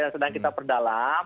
sedang kita perdalam